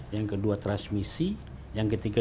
yang kedua transmisi yang ketiga